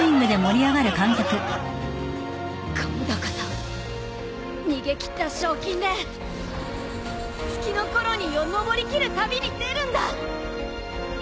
今度こそ逃げ切った賞金で月のコロニーを登り切る旅に出るんだ！